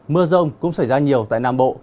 mưa rông cũng xảy ra nhiều tại nam bộ